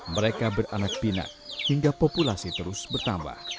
mereka beranak pinak hingga populasi terus bertambah